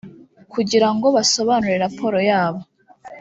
kugirango basobanure raporo yabo